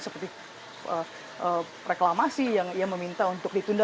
seperti reklamasi yang ia meminta untuk ditunda